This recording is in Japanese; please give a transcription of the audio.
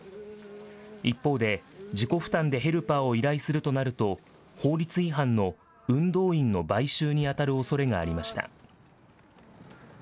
一方で、自己負担でヘルパーを依頼するとなると、法律違反の運動員の買収に当たるおそれがありました。